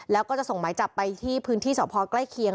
แล้วก็จะส่งหมายจับไปที่พื้นที่สพใกล้เคียง